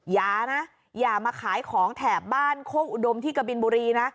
อย่านะอย่ามาขายของแถบบ้านโคกอุดมที่กะบินบุรีนะ